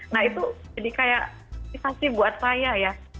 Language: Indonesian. nah itu jadi kayak motivasi buat saya ya